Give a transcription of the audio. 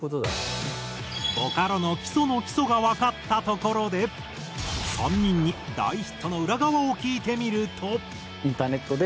ボカロの基礎の基礎がわかったところで３人に大ヒットの裏側を聞いてみると。